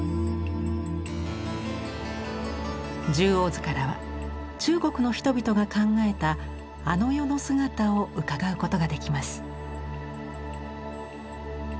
「十王図」からは中国の人々が考えたあの世の姿をうかがうことができます。